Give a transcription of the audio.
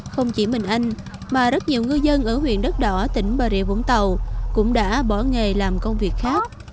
không chỉ mình anh mà rất nhiều ngư dân ở huyện đất đỏ tỉnh bà rịa vũng tàu cũng đã bỏ nghề làm công việc khác